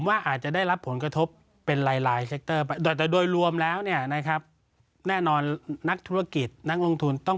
อาจจะดีต่อเศรษฐกิจไทย